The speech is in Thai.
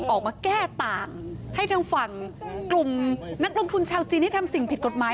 ออกมาแก้ต่างให้ทางฝั่งกลุ่มนักลงทุนชาวจีนที่ทำสิ่งผิดกฎหมาย